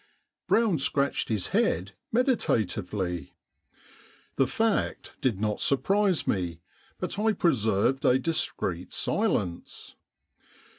Brown scratched his head medita tively. The fact did not surprise me — but I pre served a discreet silence.